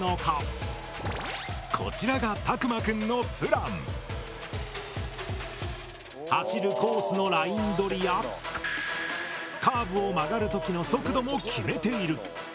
こちらがたくまくんの走るコースのライン取りやカーブを曲がる時の速度も決めている。